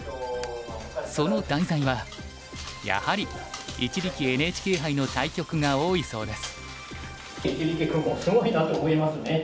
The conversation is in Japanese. その題材はやはり一力ＮＨＫ杯の対局が多いそうです。